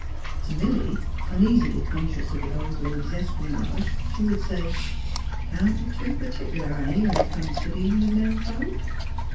" To Milly, uneasily conscious of the old lady's espionage, she would say: " You can't be too pertic'lar, honey, when it comes t' dealin' with men folks.